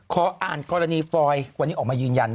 ขออ่านกรณีฟอยวันนี้ออกมายืนยัน